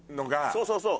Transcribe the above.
そうそうそう。